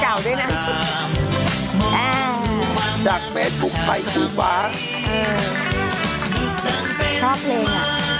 อ่าจากแม่สุขฝ่ายสูตรฟ้าอืมชอบเลยอ่ะ